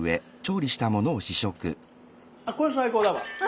あこれ最高だわ！